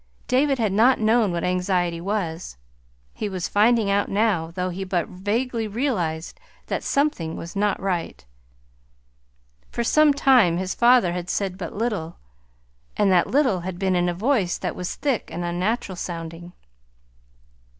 David had not known what anxiety was. He was finding out now though he but vaguely realized that something was not right. For some time his father had said but little, and that little had been in a voice that was thick and unnatural sounding.